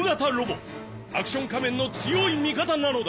アクション仮面の強い味方なのだ！